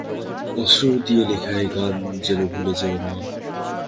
অশ্রু দিয়ে লেখা এ গান যেন ভুলে যেওনা।